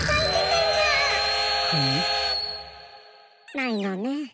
ないのね。